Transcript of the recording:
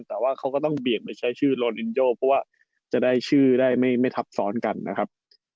แต่ว่าเขาก็ต้องเบี่ยงไปใช้ชื่อโรลินโยเพราะว่าจะได้ชื่อได้ไม่ทับซ้อนกันนะครับ